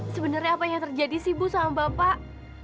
sebenarnya apa yang terjadi sih bu sama bapak